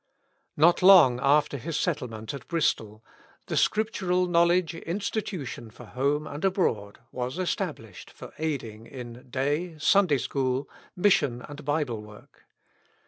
Not long after his settlement at Bristol, " The Scriptural Knowledgk Institution for Home and Abroad" was estab lished for aiding in Day, Sunday School, INIission and Bible work.